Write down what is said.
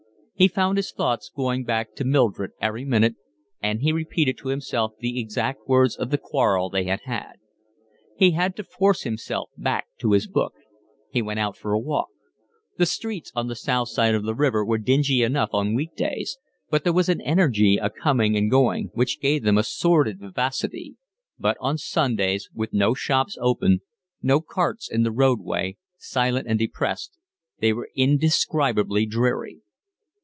He found his thoughts going back to Mildred every minute, and he repeated to himself the exact words of the quarrel they had had. He had to force himself back to his book. He went out for a walk. The streets on the South side of the river were dingy enough on week days, but there was an energy, a coming and going, which gave them a sordid vivacity; but on Sundays, with no shops open, no carts in the roadway, silent and depressed, they were indescribably dreary.